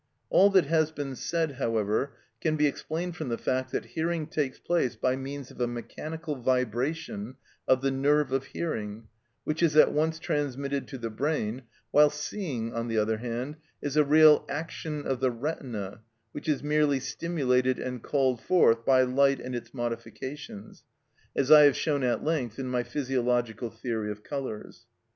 All that has been said, however, can be explained from the fact that hearing takes place by means of a mechanical vibration of the nerve of hearing which is at once transmitted to the brain, while seeing, on the other hand, is a real action of the retina which is merely stimulated and called forth by light and its modifications; as I have shown at length in my physiological theory of colours.